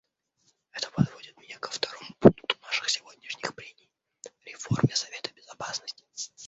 Это подводит меня ко второму пункту наших сегодняшних прений — реформе Совета Безопасности.